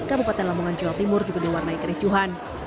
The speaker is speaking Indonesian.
kabupaten lamongan jawa timur juga diwarnai kericuhan